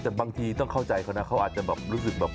แต่บางทีต้องเข้าใจเขานะเขาอาจจะแบบรู้สึกแบบ